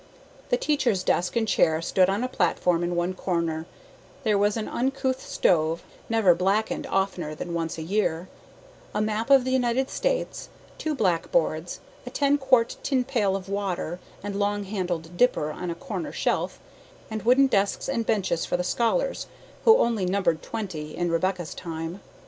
The teacher's desk and chair stood on a platform in one corner; there was an uncouth stove, never blackened oftener than once a year, a map of the United States, two black boards, a ten quart tin pail of water and long handled dipper on a corner shelf, and wooden desks and benches for the scholars, who only numbered twenty in Rebecca's time.